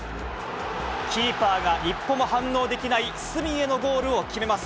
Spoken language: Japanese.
キーパーが一歩も反応できない隅へのゴールを決めます。